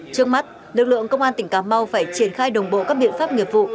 trước mắt lực lượng công an tỉnh cà mau phải triển khai đồng bộ các biện pháp nghiệp vụ